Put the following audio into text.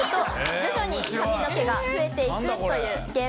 徐々に髪の毛が増えていくというゲームです。